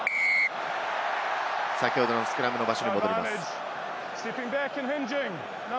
先ほどのスクラムの場所に戻ります。